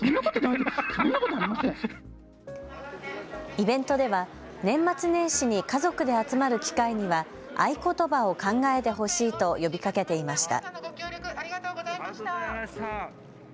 イベントでは年末年始に家族で集まる機会には合言葉を考えてほしいと呼びかけていました。